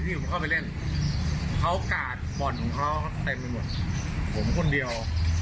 บ่อนของเขาเต็มไปหมดผมคนเดียว